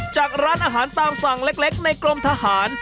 จากร้านอาหารตามสั่งเล็กในกรมทหาร